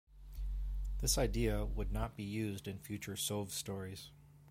This idea would not be used in future Sov stories.